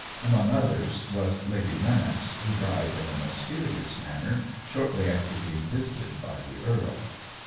Among others was Lady Lennox, who died in a mysterious manner shortly after being visited by the earl.